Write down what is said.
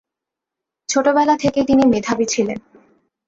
ছোটবেলা থেকেই তিনি মেধাবী ছিলেন।